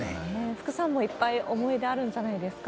福さんもいっぱい思い出あるんじゃないですか。